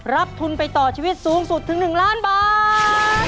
รับทุนไปต่อชีวิตสูงสุดถึง๑ล้านบาท